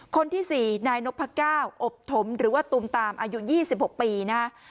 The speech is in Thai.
คนที่๔นายนพก้าวอบถมหรือว่าตูมตามอายุ๒๖ปีนะฮะ